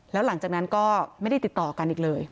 แล้วหลังจากนั้นก็ไม่ได้ติดต่อกันอีกเลย